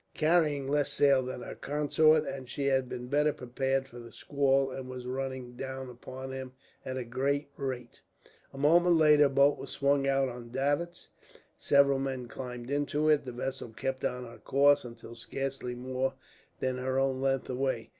Carrying less sail than her consort, she had been better prepared for the squall, and was running down upon him at a great rate. A moment later a boat was swung out on davits, and several men climbed into it. The vessel kept on her course, until scarcely more than her own length away.